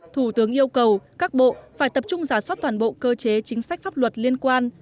thủ tướng yêu cầu các bộ phải tập trung giả soát toàn bộ cơ chế chính sách pháp luật liên quan